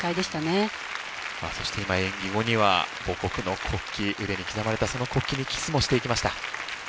そして今演技後には母国の国旗腕に刻まれたその国旗にキスもしていきました。